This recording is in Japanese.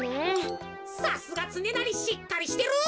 さすがつねなりしっかりしてる！